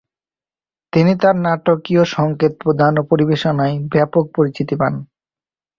তিনি তার নাটকীয় সঙ্কেত প্রদান ও পরিবেশনায় ব্যাপক পরিচিতি পান।